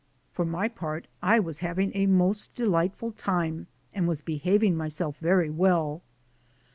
For my part I was having a most delightful time and was behaving myself very well.